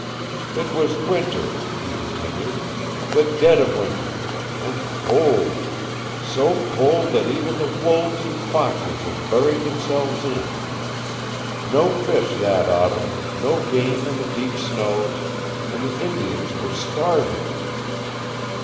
"It was winter," he continued, "the dead of winter. And cold. So cold that even the wolves and foxes had buried themselves in. No fish that autumn, no game in the deep snows, and the Indians were starving.